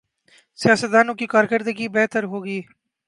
سیاستدانوں کی کارکردگی بہتر ہو گی۔